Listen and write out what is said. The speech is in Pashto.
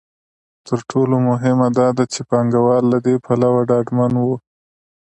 تر ټولو مهمه دا ده چې پانګوال له دې پلوه ډاډمن وو.